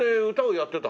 やってた。